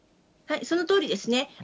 そのとおりですね。